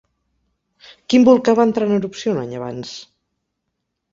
Quin volcà va entrar en erupció un any abans?